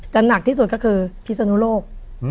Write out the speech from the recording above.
หนักที่สุดก็คือพิศนุโลก